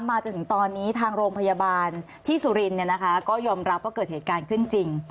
จนถึงตอนนี้ทางโรงพยาบาลที่สุรินทร์ก็ยอมรับว่าเกิดเหตุการณ์ขึ้นจริง